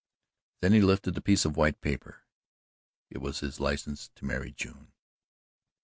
Then he lifted the piece of white paper it was his license to marry June.